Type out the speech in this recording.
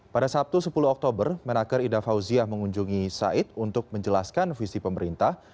pada sabtu sepuluh oktober menaker ida fauziah mengunjungi said untuk menjelaskan visi pemerintah